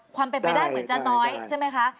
ความเป็นไปได้เหมือนจะน้อยใช่ไหมคะ